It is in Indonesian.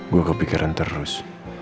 gue kepikiran terus